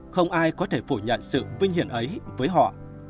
không ai có thể phủ nhận sự vinh hiển ấy với họ